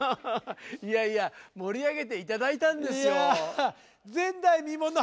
いやいや盛り上げて頂いたんですよ。